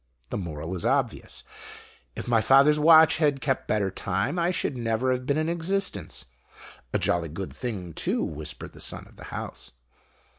The moral is obvious. If my father's watch had kept better time I should never have been in existence. ["A jolly good thing, too," whispered the Son of the House.